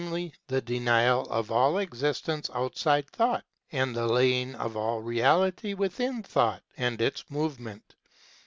the denial of all Existence outside Thought and the laying of all Reality within Thought and its movement.